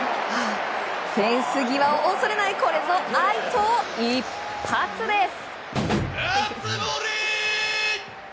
フェンス際を恐れないこれぞ、あいと一発です！